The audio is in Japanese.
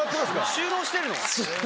収納してる。